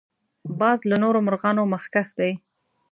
باز له نورو مرغانو مخکښ دی